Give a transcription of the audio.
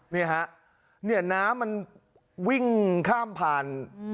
นี่ฮะน้ำมันวิ่งข้ามผ่าน